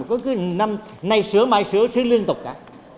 có cứ năm nay sửa mai sửa sửa liên tục cả